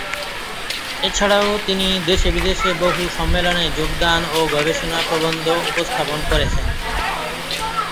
এছাড়াও তিনি দেশে-বিদেশে বহু সম্মেলনে যোগদান ও গবেষণা প্রবন্ধ উপস্থাপন করেছেন।